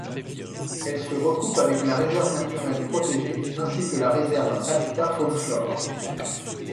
Elle se recoupe avec la réserve naturelle protégée ainsi que la réserve habitat-faune-flore.